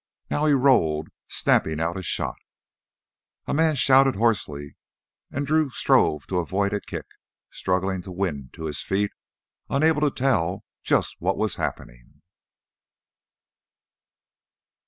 Now he rolled, snapping out a shot. A man shouted hoarsely and Drew strove to avoid a kick, struggling to win to his feet, unable to tell just what was happening.